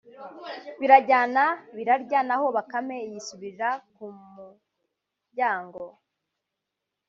birajyana birarya naho Bakame yisubirira ku muryango